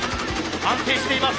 安定しています。